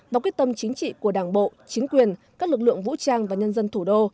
và quyết tâm chính trị của đảng bộ chính quyền các lực lượng vũ trang và nhân dân thủ đô